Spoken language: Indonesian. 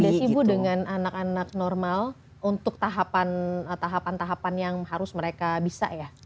beda sih bu dengan anak anak normal untuk tahapan tahapan yang harus mereka bisa ya